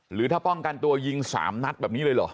หรือถ้าป้องกันตัวยิง๓นัดแบบนี้เลยเหรอ